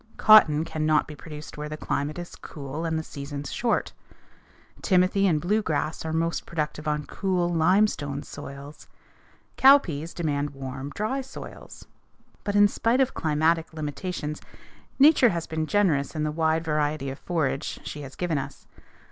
Cotton cannot be produced where the climate is cool and the seasons short. Timothy and blue grass are most productive on cool, limestone soils. Cowpeas demand warm, dry soils. But in spite of climatic limitations, Nature has been generous in the wide variety of forage she has given us.